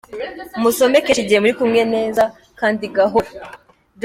Musome kenshi igihe muri kumwe neza kandi gahoro.